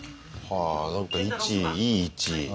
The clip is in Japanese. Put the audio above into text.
なんか位置いい位置。